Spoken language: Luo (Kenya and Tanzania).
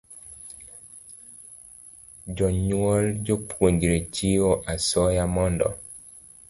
Jonyuol jopuonjrego chiwo asoya mondo